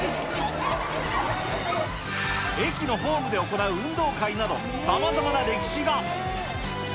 駅のホームで行う運動会など、さまざまな歴史が。